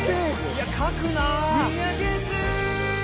いや書くなぁ。